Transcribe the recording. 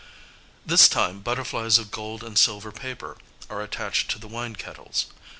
This time butterflies of gold and silver paper are attached to the wine kettles.